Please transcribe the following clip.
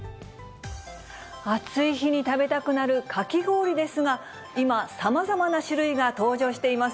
暑い日に食べたくなるかき氷ですが、今、さまざまな種類が登場しています。